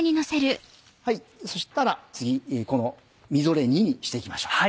そしたら次みぞれ煮にして行きましょう。